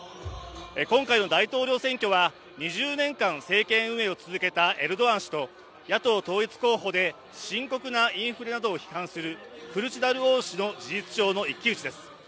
今回の大統領選挙は２０年間政権を続けたエルドアン大統領と深刻なインフレを批判するクルチダルオール氏の事実上の一騎打ちです。